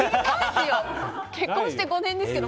結婚して５年ですけど。